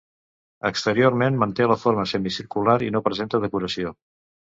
Exteriorment, manté la forma semicircular i no presenta decoració.